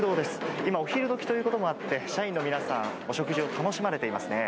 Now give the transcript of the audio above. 今、お昼どきということもあって、社員の皆さん、お食事を楽しまれていますね。